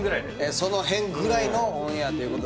その辺ぐらいのオンエアという。